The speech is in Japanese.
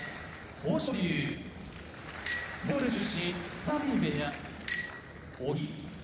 豊昇龍モンゴル出身立浪部屋